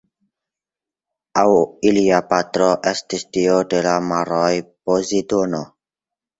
Aŭ ilia patro estis dio de la maroj Pozidono.